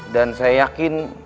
dan saya yakin